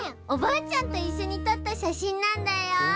おばあちゃんといっしょにとったしゃしんなんだよ。